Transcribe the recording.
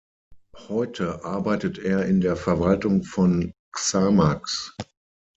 Heute arbeitet er in der Verwaltung von Xamax.